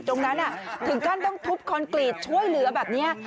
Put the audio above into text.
ตรงนั้นอ่ะถึงกั้นต้องทุบคอนกรีตช่วยเหลือแบบเนี้ย